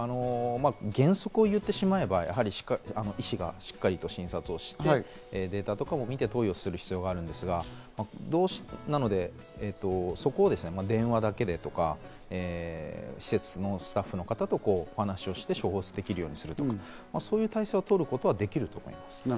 原則を言ってしまえば、医師がしっかりと診察をしてデータも見て、投与する必要がありますが、そこを電話だけでとか、施設のスタッフの方とお話しをして処方できるようにするとか、そういう体制を取ることはできると思います。